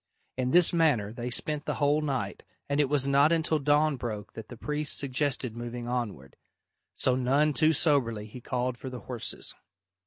In this manner they spent the whole night, and it was not until dawn broke that the priest suggested moving onward. So none too soberly he called for the horses.